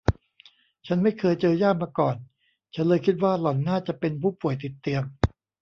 ฉันไม่เคยเจอย่ามาก่อน ฉันเลยคิดว่าหล่อนน่าจะเป็นผู้ป่วยติดเตียง